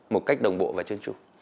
một cách đồng bộ và chân trung